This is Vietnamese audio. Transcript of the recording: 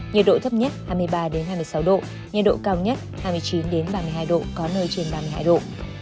nhiệt độ thấp nhất hai mươi ba hai mươi sáu độ nhiệt độ cao nhất hai mươi chín ba mươi hai độ có nơi trên ba mươi hai độ